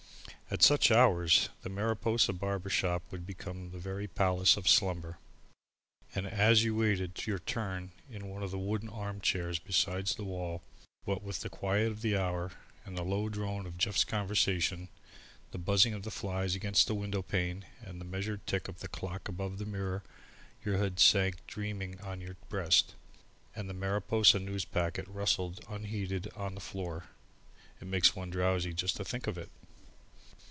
At such hours, the Mariposa barber shop would become a very Palace of Slumber, and as you waited your turn in one of the wooden arm chairs beside the wall, what with the quiet of the hour, and the low drone of Jeff's conversation, the buzzing of the flies against the window pane and the measured tick of the clock above the mirror, your head sank dreaming on your breast, and the Mariposa Newspacket rustled unheeded on the floor. It makes one drowsy just to think of it!